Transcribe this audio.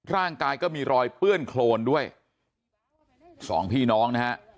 ร่างกายก็มีรอยเปื้อนโครนด้วยสองพี่น้องนะฮะ